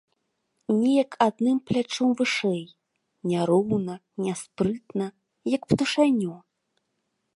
Нейк адным плячом вышэй, няроўна, няспрытна, як птушанё.